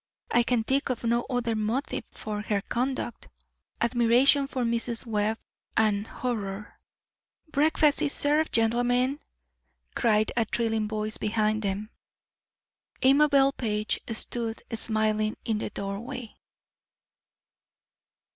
I can think of no other motive for her conduct. Admiration for Mrs. Webb and horror " "Breakfast is served, gentlemen!" cried a thrilling voice behind them. Amabel Page stood smiling in the doorway.